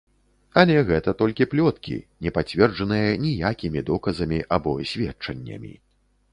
Але гэта толькі плёткі, не пацверджаныя ніякімі доказамі або сведчаннямі.